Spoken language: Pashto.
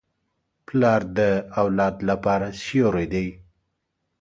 پلار د اولاد لپاره سیوری دی.